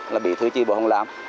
là bí thư chi bộ hồng lam